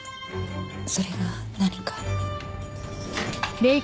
それが何か？